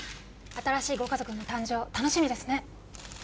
新しいご家族の誕生楽しみですね